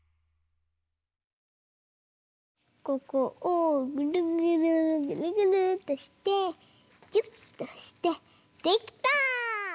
ここをぐるぐるぐるぐるっとしてぎゅっとしてできた！